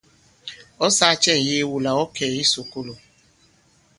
Ɔ̌ sāā cɛ ŋ̀yee wula ɔ̌ kɛ̀ i kisùkulù ?